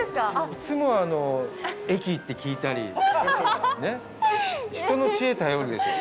いつも駅行って聞いたりねっ、人の知恵を頼るでしょう。